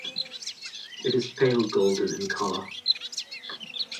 It is pale golden in colour.